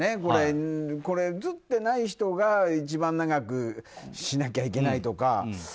うつってない人が一番長くしなきゃいけないとか。